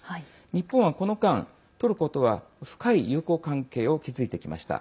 日本はこの間、トルコとは深い友好関係を築いてきました。